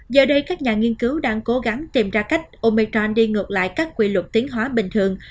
giờ đây các nhà nghiên cứu đang cố gắng tìm ra cách oecron đi ngược lại các quy luật tiến hóa bình thường